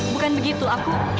bukan begitu aku